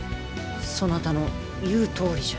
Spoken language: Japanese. そなたの言うとおりじゃ。